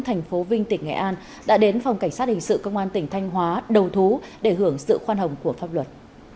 thành phố vinh tỉnh nghệ an đã đến phòng cảnh sát hình sự công an tỉnh thanh hóa đầu thú để hưởng sự khoan hồng của pháp luật